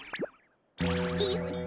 よっと。